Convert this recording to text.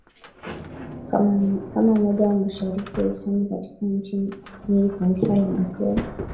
kama moja ya mashirika ya hisani Katika nchi nyingi Kanisa limekuwa